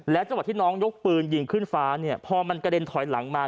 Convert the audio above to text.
และเวลาที่น้องยกปืนยิงขึ้นฟ้าพอมันกระเด็นถอยหลังมา